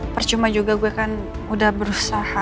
percuma juga gue kan udah berusaha